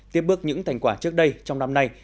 tiếp bước những thành quả trước đây trong năm nay